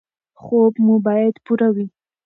خوب مو باید پوره وي.